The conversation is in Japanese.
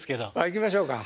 いきましょうか。